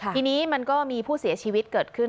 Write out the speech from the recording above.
ทีนี้มันก็มีผู้เสียชีวิตเกิดขึ้น